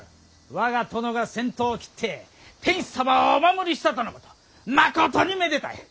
我が殿が先頭を切って天子様をお守りしたとのことまことにめでたい。